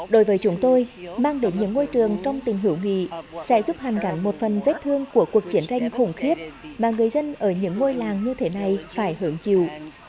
đối với chúng tôi mang đến những ngôi trường trong tình hữu nghị sẽ giúp hàn gắn một phần vết thương của cuộc chiến tranh khủng khiếp mà người dân ở những ngôi làng như thế này phải hưởng chịu